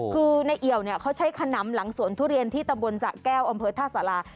คือในเอี่ยวเนี่ยเขาใช้ขนำหลังสวนทุเรียนที่ตะบนสะแก้วอำเภอท่าสารา